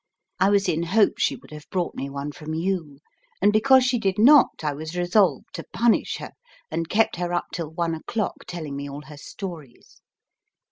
I was in hope she would have brought me one from you; and because she did not I was resolv'd to punish her, and kept her up till one o'clock telling me all her stories.